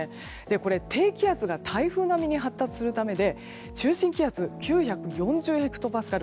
これ、低気圧が台風並みに発達するためで、中心気圧は９４０ヘクトパスカル。